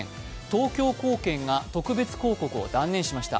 東京高検が特別抗告を断念しました。